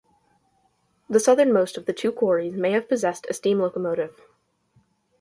The southernmost of the two quarries may have possessed a steam locomotive.